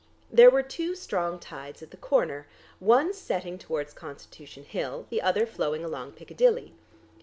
There were two strong tides at the corner, one setting towards Constitution Hill, the other flowing along Piccadilly.